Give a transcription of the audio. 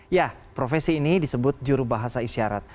ya profesi ini disebut jurubahasa isyarat